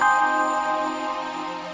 saya menemukan adanya ginjal pasti disesat